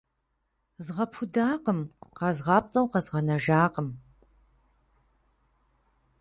Згъэпудакъым, къэзгъапцӏэу къэзгъэнэжакъым.